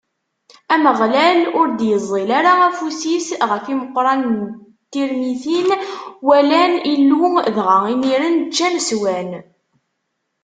Ameɣlal ur d-iẓẓil ara afus-is ɣef imeqranen n Tirmitin, walan Illu dɣa imiren ččan, swan.